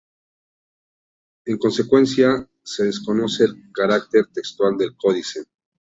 En consecuencia, se desconoce el carácter textual del códice.